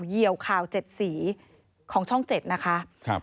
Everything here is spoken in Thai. เหี่ยวข่าว๗สีของช่อง๗นะคะ